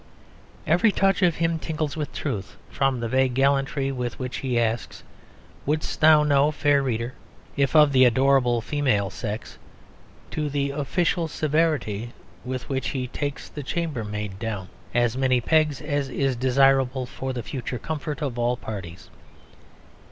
Every touch of him tingles with truth, from the vague gallantry with which he asks, "Would'st thou know, fair reader (if of the adorable female sex)" to the official severity with which he takes the chambermaid down, "as many pegs as is desirable for the future comfort of all parties."